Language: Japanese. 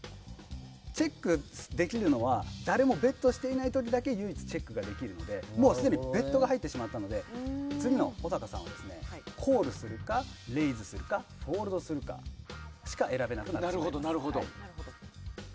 チェックできるのは誰もベッドしていない時唯一チェックができるのでもうすでにベットが入ったので次の小高さんはコールするかレイズするかフォールドするかしか選べなくなります。